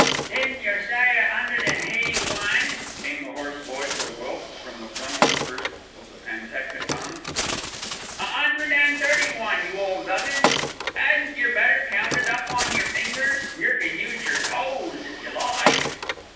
"Didn't yer say a 'undred an' heighty one?" came the hoarse voice of Wilkes from the front of the first of the pantechnicons. "A 'undred an' thirty one, you ole 'Uggins. 'Adn't yer better count it up on yer fingers? Yer can use yer toes if yer like."